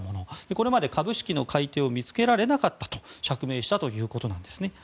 これまで株式の買い手を見つけられなかったと釈明したということです。